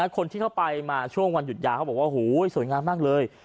คนที่เข้าไปมาช่วงวันหยุดยาวเขาบอกว่าโหสวยงามมากเลย